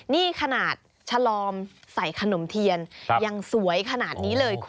นี่ขนาดชะลอมใส่ขนมเทียนยังสวยขนาดนี้เลยคุณ